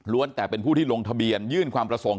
แต่เป็นผู้ที่ลงทะเบียนยื่นความประสงค์